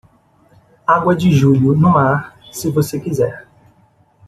Água de julho, no mar, se você quiser.